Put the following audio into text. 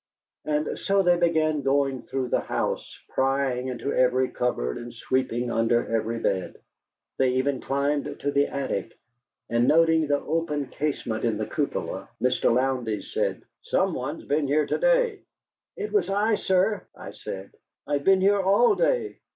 And so they began going through the house, prying into every cupboard and sweeping under every bed. They even climbed to the attic; and noting the open casement in the cupola, Mr. Lowndes said: "Some one has been here to day." "It was I, sir," I said. "I have been here all day."